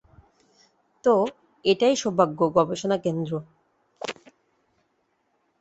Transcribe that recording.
তো, এটাই সৌভাগ্য গবেষণা কেন্দ্র।